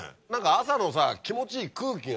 朝のさ気持ちいい空気が。